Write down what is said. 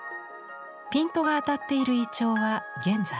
ピントが当たっているイチョウは現在。